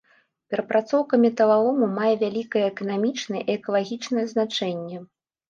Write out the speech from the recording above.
Перапрацоўка металалому мае вялікае эканамічнае і экалагічнае значэнне.